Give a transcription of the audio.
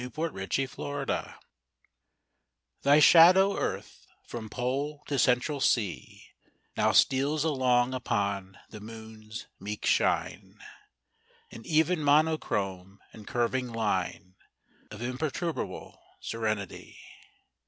AT A LUNAR ECLIPSE THY shadow, Earth, from Pole to Central Sea, Now steals along upon the Moon's meek shine In even monochrome and curving line Of imperturbable serenity.